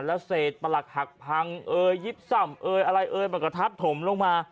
แล้วเศษประหลักหักพังเอ๋ยยิบซ่ำเอยอะไรเอ่ยมันก็ทับถมลงมา